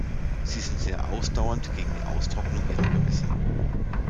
Sie sind sehr ausdauernd gegen die Austrocknung ihrer Gewässer.